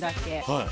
はい。